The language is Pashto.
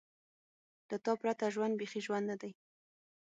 له تا پرته ژوند بېخي ژوند نه دی.